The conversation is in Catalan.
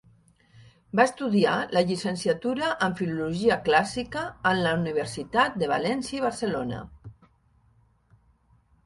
Va estudiar la llicenciatura en Filologia Clàssica en la Universitat de València i Barcelona.